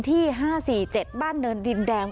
ที่๕๔๗บ้านเนินดินแดง